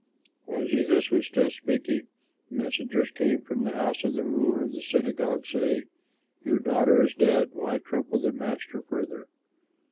While Jesus was still speaking, messengers came from the house of the ruler of the synagogue, saying, "Your daughter is dead. Why trouble the Master further?"